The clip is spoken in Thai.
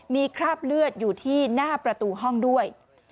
มีคราบเลือดอยู่ที่หน้าประตูห้องด้วย